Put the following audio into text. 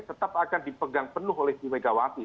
tetap akan dipegang penuh oleh ibu megawati